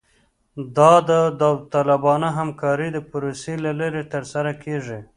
دا د داوطلبانه همکارۍ د پروسې له لارې ترسره کیږي